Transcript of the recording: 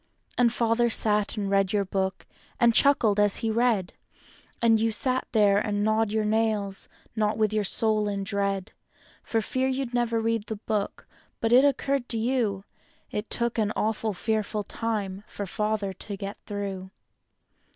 And Father sat and read your book, and chuckled as he read. And you sat there and gnawed your nails, not with your soul in dread For fear you'd never read the book, but it occurred to you It took an awful, fearful time for Father to get through.